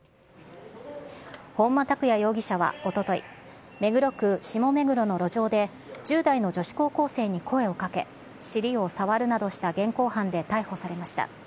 本間拓也容疑者はおととい、目黒区下目黒の路上で、１０代の女子高校生に声をかけ、尻を触るなどした現行犯で逮捕されました。